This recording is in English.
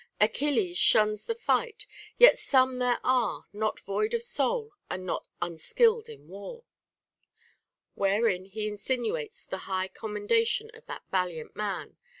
Achilles shuns the fight ; yet some there are Not void of soul, and not unskill'd in war: wherein he insinuates the high commendation of that val iant man.